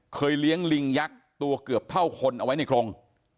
เลี้ยงลิงยักษ์ตัวเกือบเท่าคนเอาไว้ในโครง